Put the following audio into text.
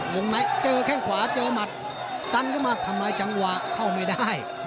งในเจอแข้งขวาเจอหมัดตันขึ้นมาทำลายจังหวะเข้าไม่ได้